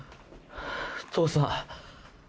父さん。